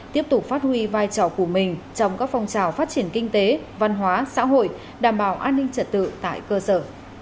tiếp tục phát huy vai trò của mình trong các phong trào phát triển kinh tế văn hóa xã hội đảm bảo an ninh trật tự tại cơ sở